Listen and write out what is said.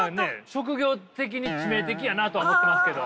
職業的に致命的やなとは思ってますけど。